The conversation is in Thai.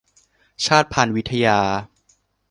ชาติพันธุ์วิทยา